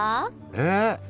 えっ？